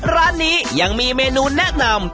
ร้านนี้ยังมีเมนูแนะนำ